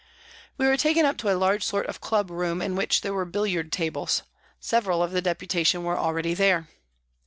We were taken up to a large sort of club room, in which there were billiard tables. Several of the Deputation were already there.